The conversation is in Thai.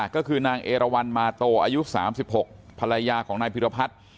ก็คือนางเอราวันมาโตอายุ๓๖ภรรยาของนายพิรพัฒน์